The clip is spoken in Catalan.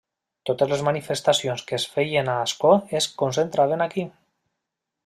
Totes les manifestacions que es feien a Ascó es concentraven aquí.